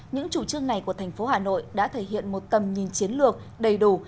những chủ trương này của tp hà nội đã thể hiện một tầm nhìn chiến lược đầy đủ